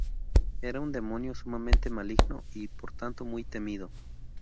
Era un demonio sumamente maligno, y por tanto muy temido.